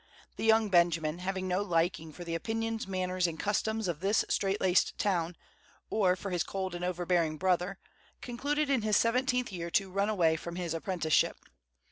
The young Benjamin, having no liking for the opinions, manners, and customs of this strait laced town, or for his cold and overbearing brother, concluded in his seventeenth year to run away from his apprenticeship.